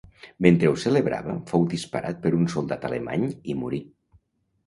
Mentre ho celebrava fou disparat per un soldat alemany i morí.